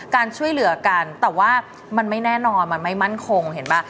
การช่วยเหลือกันแต่ว่ามันไม่แน่นอนมันไม่มั่นคงเห็นป่ะ